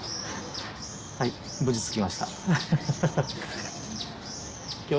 はい無事着きましたハハハ。